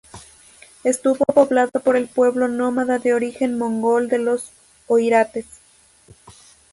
Estuvo poblado por el pueblo nómada de origen mongol de los oirates.